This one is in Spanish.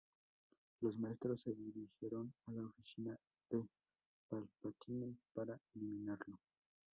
Los Maestros se dirigieron a la oficina de Palpatine, para eliminarlo.